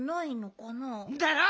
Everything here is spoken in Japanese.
だろ？